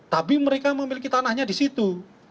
tapi mereka memiliki tanahnya di situ